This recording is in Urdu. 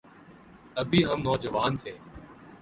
ابھی ہم نوجوان تھے۔